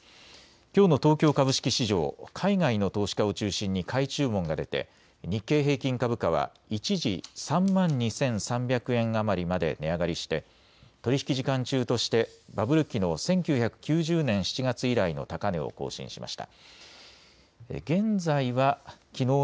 きょうの東京株式市場、海外の投資家を中心に買い注文が出て日経平均株価は一時、３万２３００円余りまで値上がりして取り引き時間中としてバブル期の１９９０年７月以来の高値を更新しました。